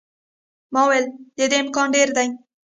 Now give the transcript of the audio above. ما وویل، د دې امکان ډېر دی.